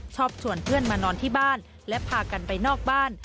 ชวนเพื่อนมานอนที่บ้านและพากันไปนอกบ้าน